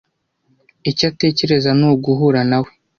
Icyo atekereza ni uguhura nawe.